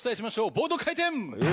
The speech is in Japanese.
ボード回転！